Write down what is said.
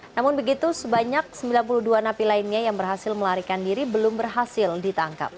namun begitu sebanyak sembilan puluh dua napi lainnya yang berhasil melarikan diri belum berhasil ditangkap